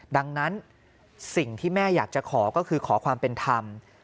ดังนั้นสิ่งที่แม่อยากจะขอก็คือขอความเป็นธรรม